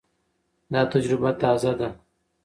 دا تجربه تازه ده.